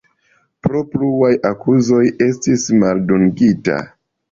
Pro pluaj akuzoj estis maldungita.